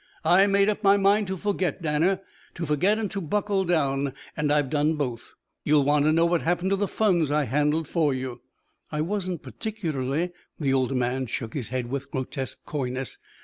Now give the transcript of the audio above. "I made up my mind to forget, Danner. To forget and to buckle down. And I've done both. You'll want to know what happened to the funds I handled for you " "I wasn't particularly " The older man shook his head with grotesque coyness.